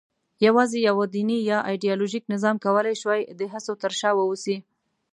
یواځې یوه دیني یا ایدیالوژیک نظام کولای شوای د هڅو تر شا واوسي.